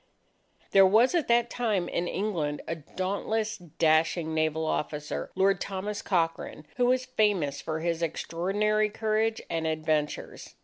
There was, at that time, in England a dauntless, dashing naval officer, Lord Thomas Cochrane, who was famous for his extraordinary courage and adventures.